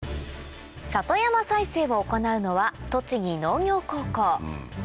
里山再生を行うのは栃木農業高校